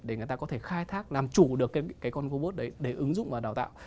để người ta có thể khai thác làm chủ được cái con robot đấy để ứng dụng và đào tạo